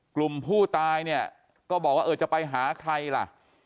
กลุ่มผู้ตายก็บอกว่าจะไปหาใครล่ะ